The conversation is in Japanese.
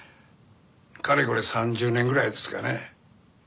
かれこれ３０年ぐらいですかね。